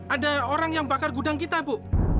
ada orang yang bakar gudang kita bu